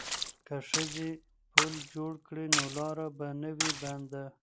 که ښځې پل جوړ کړي نو لاره به نه وي بنده.